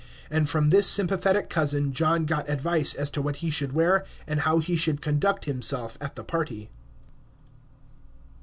And from this sympathetic cousin John got advice as to what he should wear and how he should conduct himself at the party.